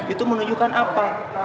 itu menunjukkan apa